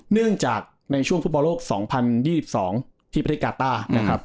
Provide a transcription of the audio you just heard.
เนื่องจากในช่วงฟุตบอลโลก๒๐๒๒ที่ประเทศกาต้านะครับ